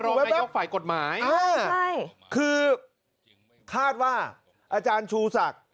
รองยอกฝ่ายกฎหมายอ่าใช่คือคาดว่าอาจารย์ชูสัก